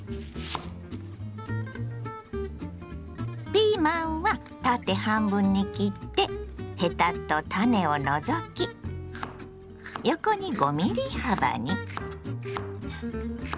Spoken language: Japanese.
ピーマンは縦半分に切ってヘタと種を除き横に５ｍｍ幅に。